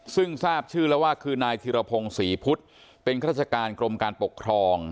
ซึ่งทราบชื่อแล้วว่าคือนายธิรพงศรีพุทธเป็นข้าราชการกรมการปกครอง